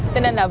thế nên là vừa